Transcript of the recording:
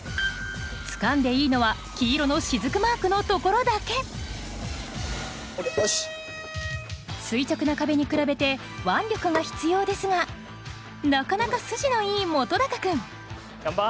つかんでいいのは黄色の滴マークのところだけ垂直な壁に比べて腕力が必要ですがなかなか筋のいい本君ガンバ！